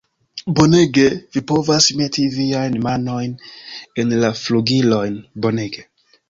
Bonege, vi povas meti viajn manojn en la flugilojn. Bonege!